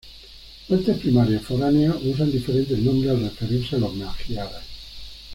Fuentes primarias foráneas usan diferentes nombres al referirse a los magiares.